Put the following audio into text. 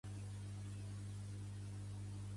Què la feia ser popular, a la Maria Dolors?